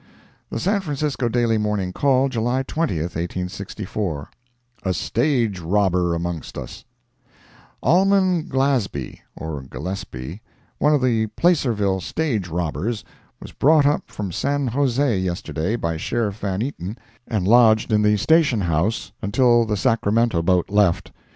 The San Francisco Daily Morning Call, July 20, 1864 A STAGE ROBBER AMONGST US Alman Glasby, (or Gillespie,) one of the Placerville stage robbers, was brought up from San Jose yesterday by Sheriff Van Eaton, and lodged in the station house until the Sacramento boat left.